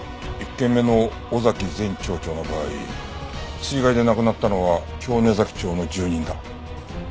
１件目の尾崎前町長の場合水害で亡くなったのは京根崎町の住民だ。